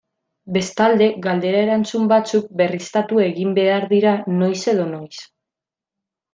Bestalde, galdera-erantzun batzuk berriztatu egin behar dira noiz edo noiz.